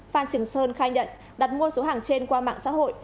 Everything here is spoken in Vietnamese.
phan trường sơn khai nhận đặt mua số hàng trên qua mạng xã hội